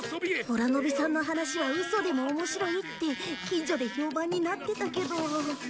ホラのびさんの話はウソでも面白いって近所で評判になってたけど。